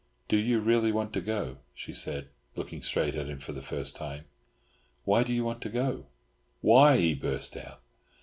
"Do you really want to go?" she said, looking straight at him for the first time. "Why do you want to go?" "Why?" he burst out.